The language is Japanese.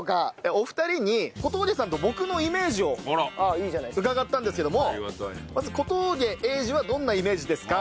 お二人に小峠さんと僕のイメージを伺ったんですけどもまず小峠英二はどんなイメージですか？